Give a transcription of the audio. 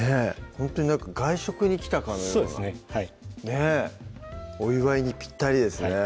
ほんとに外食に来たかのようなそうですねお祝いにぴったりですね